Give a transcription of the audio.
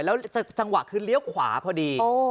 แล้วจังหวะคือเลี้ยวขวาพอดี